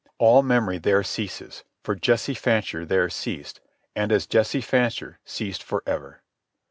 All memory there ceases, for Jesse Fancher there ceased, and, as Jesse Fancher, ceased for ever.